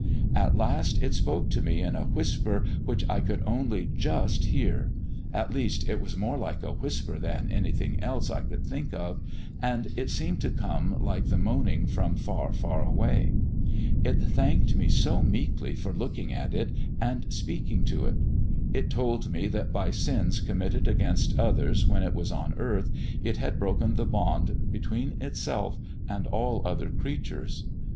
At last it spoke to me in a whisper which I could only just hear; at least it was more like a whisper than anything else I can think of, and it seemed to come like the moaning from far far away. It thanked me so meekly for looking at it and speaking to it. It told me that by sins committed against others when it was on earth it had broken the bond between itself and all other creatures.